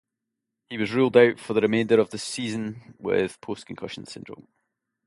He was ruled out for the remainder of the season with post-concussion syndrome.